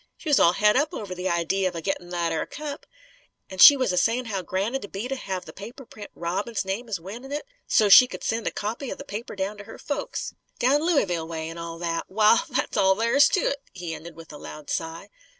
She was all het up over the idee of a gittin' that 'ere cup. An' she was a sayin' how grand it'd be to have the paper print Robin's name as winnin' it, so's she c'd send a copy of the paper to her folks, down Looeyville way, an' all that. Wal, that's all there is to it," he ended with a loud sigh.